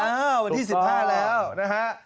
อ้าววันที่๑๕แล้วนะครับ